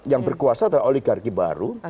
yang berkuasa adalah oligarki baru